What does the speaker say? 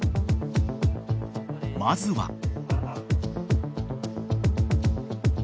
［まずは］